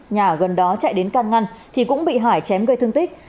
nhà gần đó chạy đến căn ngăn cũng bị hải chém gây thương tích